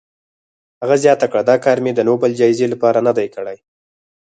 هغه زیاته کړه، دا کار مې د نوبل جایزې لپاره نه دی کړی.